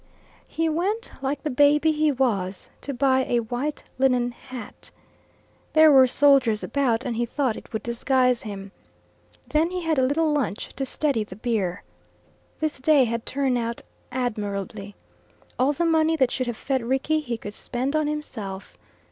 He went, like the baby he was, to buy a white linen hat. There were soldiers about, and he thought it would disguise him. Then he had a little lunch to steady the beer. This day had turned out admirably. All the money that should have fed Rickie he could spend on himself.